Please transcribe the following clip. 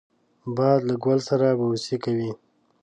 باد له ګل سره بوسې کوي